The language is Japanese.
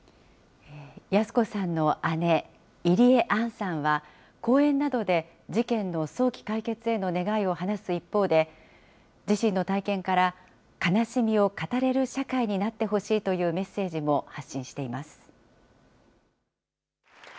泰子さんの姉、入江杏さんは、講演などで事件の早期解決への願いを話す一方で、自身の体験から、悲しみを語れる社会になってほしいというメッセージも発信しています。